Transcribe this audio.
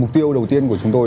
mục tiêu đầu tiên của chúng tôi